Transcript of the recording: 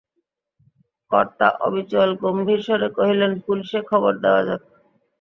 কর্তা অবিচলিত গম্ভীরস্বরে কহিলেন, পুলিসে খবর দেওয়া যাক।